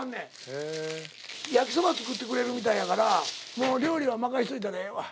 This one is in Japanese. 焼きそば作ってくれるみたいやから料理は任しといたらええわ。